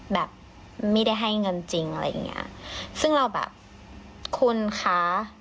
แบบไม่ได้ให้เงินจริงอะไรอย่างเงี้ยซึ่งเราแบบคุณคะ